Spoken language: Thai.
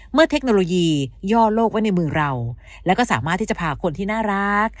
เทคโนโลยีย่อโลกไว้ในมือเราแล้วก็สามารถที่จะพาคนที่น่ารัก